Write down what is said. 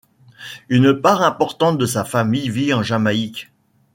Une part importante de sa famille vit en Jamaïque.